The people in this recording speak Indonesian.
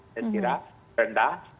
saya kira rendah